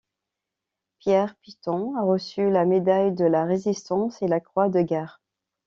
Pierre Piton a reçu la médaille de la Résistance et la croix de Guerre.